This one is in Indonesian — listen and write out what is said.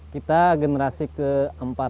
kita generasi keempat